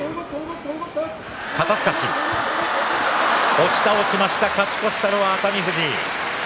押し倒しました勝ち越したのは熱海富士。